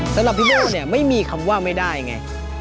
สำหรับพี่โบ๊คไม่มีคำว่าไม่ได้ไง